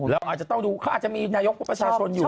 เราอาจจะต้องดูเขาอาจจะมีนายกพวกประชาชนอยู่